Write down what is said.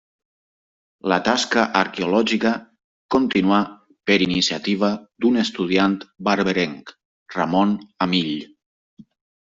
La tasca arqueològica continuà per iniciativa d'un estudiant barberenc, Ramon Amill.